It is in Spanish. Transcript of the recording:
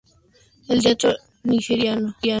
El teatro nigeriano hace un uso extensivo de la música.